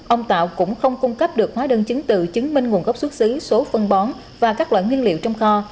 ông tạo cũng không cung cấp được hóa đơn chứng từ chứng minh nguồn gốc xuất xứ số phân bón và các loại nguyên liệu trong kho